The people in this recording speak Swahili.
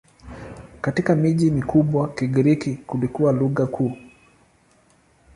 Katika miji mikubwa Kigiriki kilikuwa lugha kuu.